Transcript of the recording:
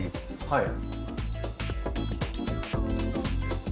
はい。